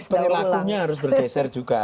perilakunya harus bergeser juga